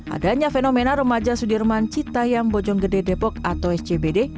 adanya fenomena remaja sudirman citayam bojonggede depok atau scbd